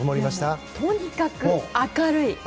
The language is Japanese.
とにかく明るい。